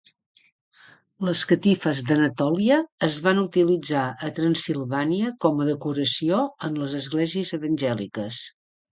Les catifes d'Anatòlia es van utilitzar a Transsilvània com a decoració en les esglésies evangèliques.